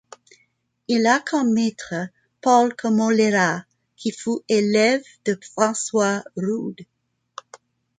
Il a comme maître Paul Comoléra qui fut élève de François Rude.